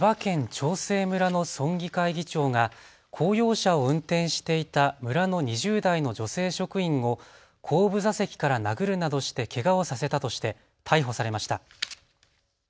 長生村の村議会議長が公用車を運転していた村の２０代の女性職員を後部座席から殴るなどしてけがをさせたとして逮捕されました。